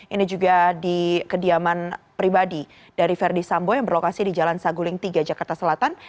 ini juga di kediaman pribadi dari verdi sambo yang berlokasi di jalan saguling tiga jakarta selatan